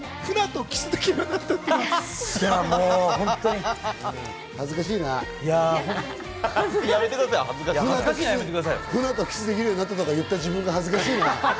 フナとキスができるようになったっていう自分が恥ずかしいな。